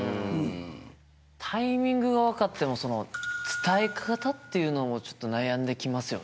タイミングが分かっても伝え方っていうのもちょっと悩んできますよね。